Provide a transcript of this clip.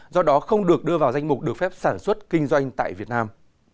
do đó không được đưa vào danh mục được phép sản xuất kinh doanh tại việt nam